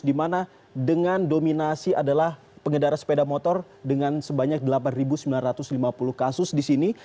dimana dengan dominasi adalah pengendara sepeda motor dengan sebanyak delapan sembilan ratus lima puluh kasus disini